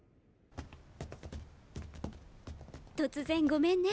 突然ごめんね